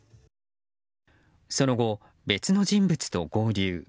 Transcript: その後、別の人物と合流。